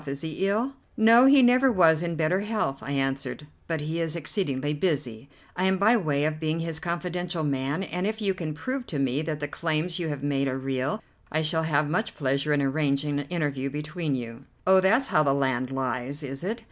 Is he ill?" "No, he never was in better health," I answered; "but he is exceedingly busy. I am by way of being his confidential man, and if you can prove to me that the claims you have made are real, I shall have much pleasure in arranging an interview between you." "Oh, that's how the land lies, is it?